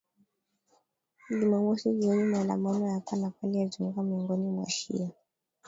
Jumamosi jioni maandamano ya hapa na pale yalizuka miongoni mwa wa shia